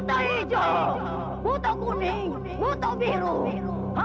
bota ijo bota kuning bota biru hembuskan nafas kalian ke perut sumarna